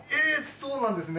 そうなんですね。